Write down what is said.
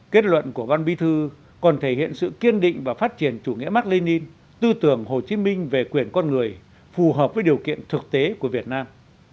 kết luận của ban bí thư còn thể hiện sự kiên định và phát triển chủ nghĩa mark lenin tư tưởng hồ chí minh về quyền con người phù hợp với điều kiện thực tế của việt nam